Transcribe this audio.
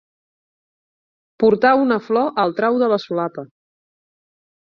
Portar una flor al trau de la solapa.